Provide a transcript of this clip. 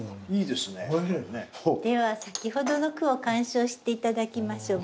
では先ほどの句を鑑賞して頂きましょう。